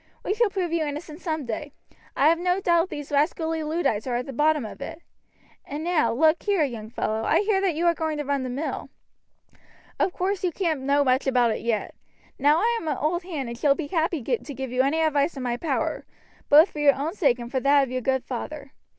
We shall prove you innocent some day. I have no doubt these rascally Luddites are at the bottom of it. And now, look here, young fellow, I hear that you are going to run the mill. Of course you can't know much about it yet. Now I am an old hand and shall be happy to give you any advice in my power, both for your own sake and for that of your good father.